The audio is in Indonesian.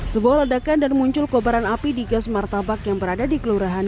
sebuah ledakan dan muncul kobaran api di gas martabak yang berada di kelurahan